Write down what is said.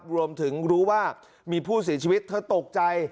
รวมถึงรู้ว่ามีผู้เสียชีวิตเธอตกใจ